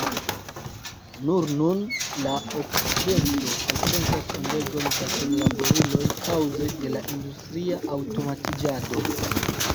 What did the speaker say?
Nur nun la okcidento alfrontas ondegon da senlaboruloj kaŭze de la industria aŭtomatiĝado.